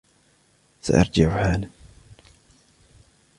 سأرجع حالا!